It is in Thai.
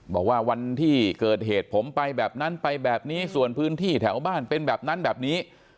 บอกว่าวันที่เกิดเหตุผมไปแบบนั้นไปแบบนี้ส่วนพื้นที่แถวบ้านเป็นแบบนั้นแบบนี้